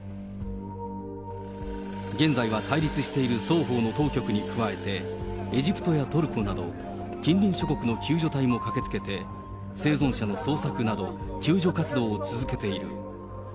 現在は対立している双方の当局に加えて、エジプトやトルコなど、近隣諸国の救助隊も駆けつけて、生存者の捜索など、救助活動を続けている。